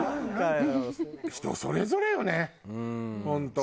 人それぞれよね本当。